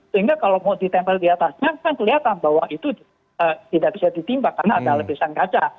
sehingga kalau mau ditempel di atasnya kan kelihatan bahwa itu tidak bisa ditimpa karena ada lapisan kaca